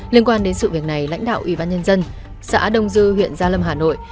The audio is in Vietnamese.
liên quan đến sự việc này lãnh đạo ủy ban nhân dân xã đông dư huyện gia lâm hà nội